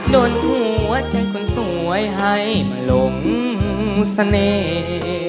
โดนหัวใจคนสวยให้มาหลงเสน่ห์